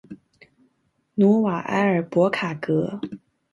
努瓦埃尔博卡格。